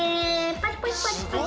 パチパチパチパチ！